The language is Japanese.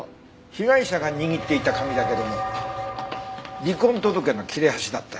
被害者が握っていた紙だけども離婚届の切れ端だったよ。